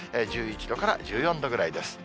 １１度から１４度ぐらいです。